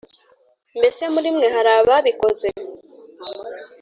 Mbese muri mwe hari ababikoze